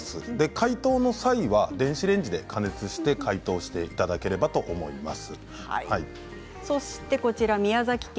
解凍の際は電子レンジで加熱して解凍していただければと思います。